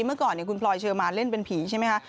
เมื่อก่อนคุณพลอยเชิญมาเล่นเป็นผีใช่ไหมคะ